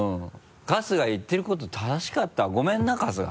春日言ってること正しかったごめんな春日。